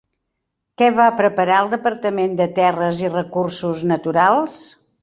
Què va preparar el Departament de Terres i Recursos Naturals?